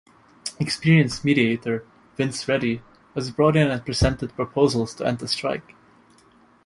Experienced mediator Vince Ready was brought in and presented proposals to end the strike.